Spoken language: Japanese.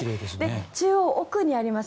中央奥にあります